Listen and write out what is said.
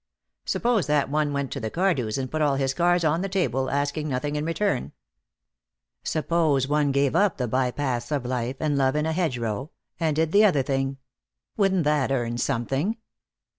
Suppose that one went to the Cardews and put all his cards on the table, asking nothing in return? Suppose one gave up the by paths of life, and love in a hedgerow, and did the other thing? Wouldn't that earn something?